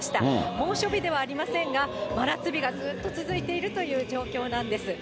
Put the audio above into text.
猛暑日ではありませんが、真夏日がずっと続いているという状況なんです。